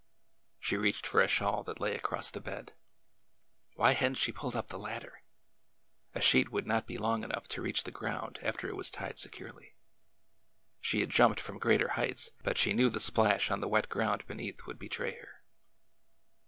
She reached for a shawl that lay across the bed. Why had n't she pulled up the ladder ! A sheet would not be long enough to reach the ground after it was tied se curely. She had jumped from greater heights, but she knew the splash on the wet ground beneath would betray her.